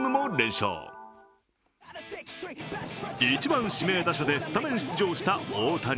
１番・指名打者でスタメン出場した大谷。